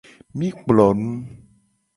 Mi kplo nu.